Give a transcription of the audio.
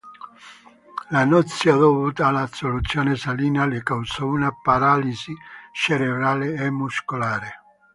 L'anossia dovuta alla soluzione salina le causò una paralisi cerebrale e muscolare.